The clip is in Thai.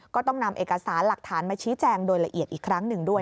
ก็ต้องนำเอกสารหลักฐานมาชี้แจงโดยละเอียดอีกครั้งหนึ่งด้วย